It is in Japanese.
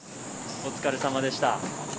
お疲れさまでした。